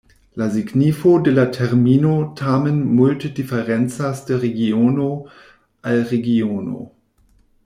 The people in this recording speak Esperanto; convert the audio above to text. La signifo de la termino tamen multe diferencas de regiono al regiono.